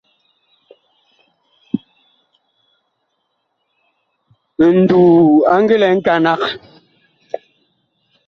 Nduu a ngi lɛ nkanag.